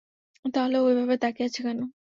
তাহলে ও এভাবে তাকিয়ে আছে কেন?